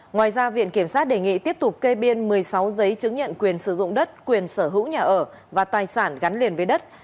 ngoài ra viện kiểm sát đề nghị tiếp tục kê biên một mươi sáu giấy chứng nhận quyền sử dụng đất quyền sở hữu nhà ở và tài sản gắn liền với đất